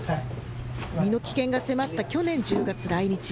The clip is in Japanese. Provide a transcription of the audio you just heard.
身の危険が迫った去年１０月来日。